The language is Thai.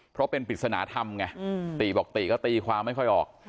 เพราะเป็นปริศนธรรมไงติบอกติก็ตีความไม่ค่อยออก